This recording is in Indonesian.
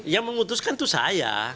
yang memutuskan itu saya